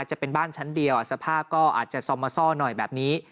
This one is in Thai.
จะเป็นบ้านชั้นเดียวสภาพก็อาจจะซอมมาซ่อหน่อยแบบนี้